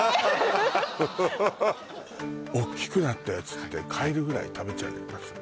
大きくなったやつってカエルぐらい食べちゃいますか？